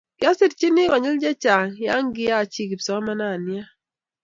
Kiaserchini konyil che chang' ya kiachi kipsomananiat